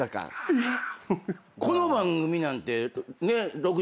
えっ！？